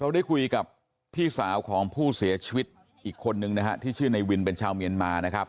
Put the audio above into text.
ได้คุยกับพี่สาวของผู้เสียชีวิตอีกคนนึงนะฮะที่ชื่อในวินเป็นชาวเมียนมานะครับ